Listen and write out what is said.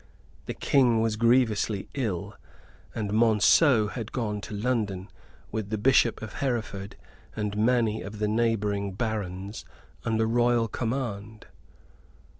The King was grievously ill; and Monceux had gone to London, with the Bishop of Hereford and many of the neighboring barons, under Royal command.)